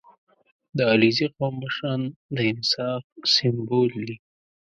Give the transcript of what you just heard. • د علیزي قوم مشران د انصاف سمبول دي.